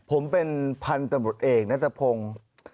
ผมเป็นพันธุ์ตำรวจเอกนัตรพงศ์